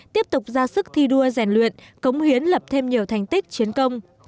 tiếp tục ra sức thi đua rèn luyện cống hiến lập thêm nhiều thành tích chiến công